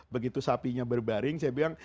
begitu sapinya berbaring saya bilang